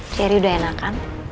ceri udah enakan